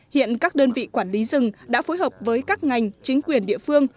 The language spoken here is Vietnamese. hiện các đơn vị quản lý rừng đã phối hợp với các ngành chính quyền địa phương